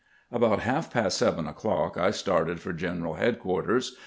About half past seven o'clock I started for general headquarters.